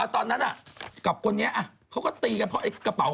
ตอนนั้นกับคนนี้เขาก็ตีกันเพราะไอ้กระเป๋า